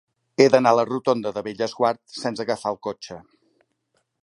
He d'anar a la rotonda de Bellesguard sense agafar el cotxe.